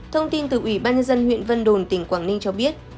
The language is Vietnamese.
thông tin từ ủy ban nhân dân huyện vân đồn tỉnh quảng ninh cho biết